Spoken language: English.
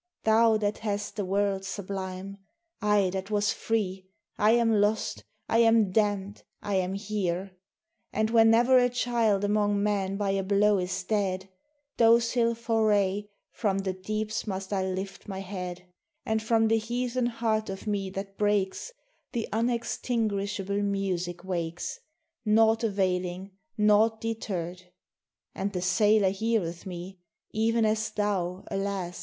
Thou that hast the world sublime! I that was free, I am lost, I am damned, I am here! And whenever a child among men by a blow is dead, Docile for aye from the deeps must I lift my head, And from the heathen heart of me that breaks, The unextinguishable music wakes, Naught availing, naught deterred. And the sailor heareth me, Even as thou, alas!